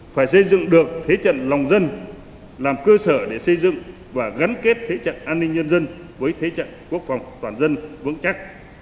phải xây dựng được thế trận lòng dân làm cơ sở để xây dựng và gắn kết thế trận an ninh nhân dân với thế trận quốc phòng toàn dân vững chắc